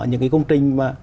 những cái công trình mà